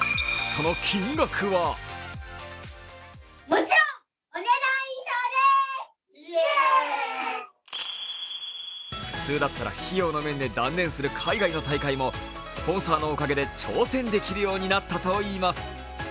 その金額は普通だったら費用の面で断念する海外の大会もスポンサーのおかげで挑戦できるようになったといいます。